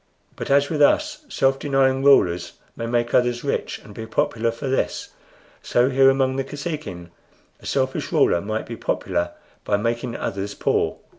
But as with us self denying rulers may make others rich and be popular for this, so here among the Kosekin a selfish ruler might be popular by making others poor.